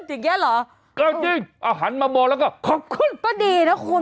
อย่างเงี้เหรอก็ยิ่งเอาหันมามองแล้วก็ขอบคุณก็ดีนะคุณ